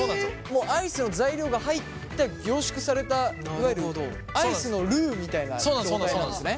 もうアイスの材料が入った凝縮されたいわゆるアイスのルウみたいな状態なんですね？